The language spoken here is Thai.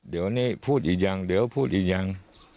เดี๋ยวนี้พูดอีกยังเดี๋ยวพูดอีกยัง